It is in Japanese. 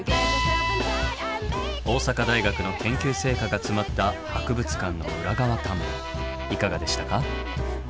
大阪大学の研究成果が詰まった博物館の裏側探訪いかがでしたか？